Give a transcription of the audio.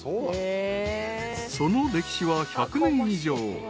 ［その歴史は１００年以上。